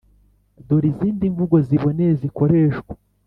Dore izindi mvugo ziboneye zikoreshwa